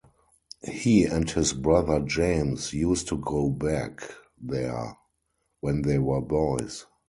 He and his brother James used to go back there when they were boys.